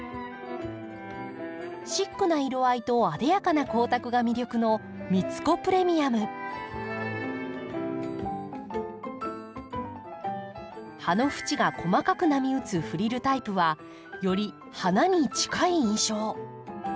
シックな色合いとあでやかな光沢が魅力の葉の縁が細かく波打つフリルタイプはより花に近い印象。